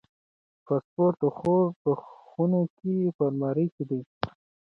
پاسپورت د خوب په خونه کې په المارۍ کې دی.